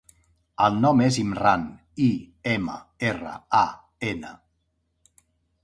El nom és Imran: i, ema, erra, a, ena.